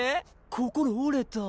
心おれた？